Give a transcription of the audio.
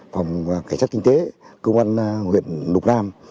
phòng cảnh sát kinh tế công an huyện lục nam